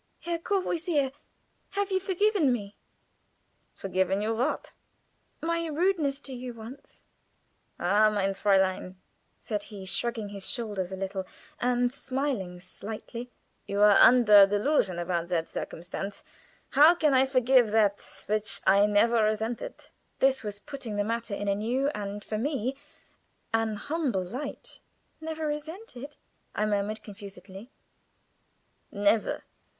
"Herr Courvoisier, have you forgiven me?" "Forgiven you what?" "My rudeness to you once." "Ah, mein Fräulein," said he, shrugging his shoulders a little and smiling slightly, "you are under a delusion about that circumstance. How can I forgive that which I never resented?" This was putting the matter in a new, and, for me, an humbling light. "Never resented!" I murmured, confusedly. "Never.